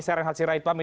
saya rehan hatsirahitwami